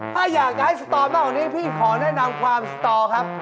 ถ้าอยากจะให้สตอมากกว่านี้พี่ขอแนะนำความสตอครับ